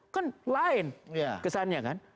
kan lain kesannya kan